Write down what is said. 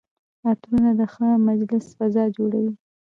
عطرونه د ښه مجلس فضا جوړوي.